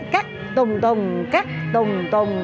cắt tùng tùng cắt tùng tùng